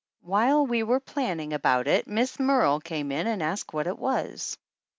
While we were planning about it Miss Merle came in and asked what it was.